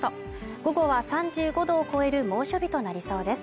午後は３５度を超える猛暑日となりそうです